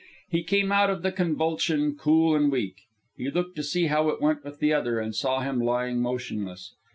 He came out of the convulsion cool and weak. He looked to see how it went with the other, and saw him lying motionless.